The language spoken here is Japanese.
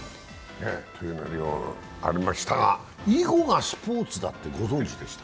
ありましたが、囲碁がスポーツだってご存じでした？